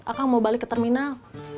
akan mau balik ke terminal